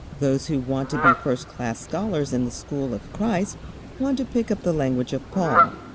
Those who want to be first class scholars in the school of Christ want to pick up the language of Paul.